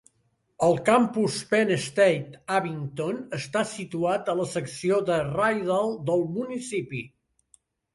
El campus Penn State Abington està situat a la secció de Rydal del municipi.